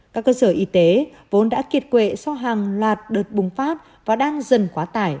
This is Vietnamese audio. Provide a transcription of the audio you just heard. các cơ sở y tế vốn đã kiệt quệ sau hàng loạt đợt bùng phát và đang dần quá tải